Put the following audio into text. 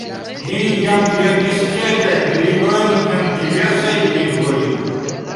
Li jam verkis kelkajn librojn en diversaj lingvoj.